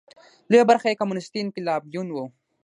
لویه برخه یې کمونېستي انقلابیون وو.